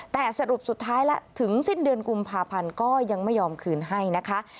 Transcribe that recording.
แต่สรุปสุดท้ายแล้วถึงสิ้นเดือนกุมภาพันธ์ก็ยังไม่ยอมคืนให้นะคะ